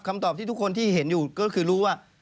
ตอบที่ทุกคนที่เห็นอยู่ก็คือรู้ว่า